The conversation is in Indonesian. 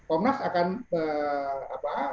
om nas akan bentuk akan bentuk